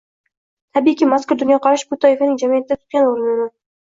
Tabiiyki, mazkur dunyoqarash bu toifaning jamiyatda tutgan o‘rnini